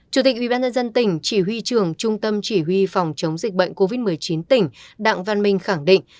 chủ tịch ubnd tỉnh chỉ huy trưởng trung tâm chỉ huy phòng chống dịch bệnh covid một mươi chín tỉnh đặng văn minh khẳng định